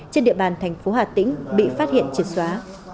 trên địa bàn thành phố hà tĩnh bị phát hiện triệt xóa